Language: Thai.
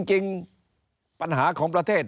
จริงปัญหาของประเทศ